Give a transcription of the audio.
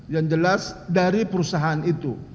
yang jelas dari perusahaan itu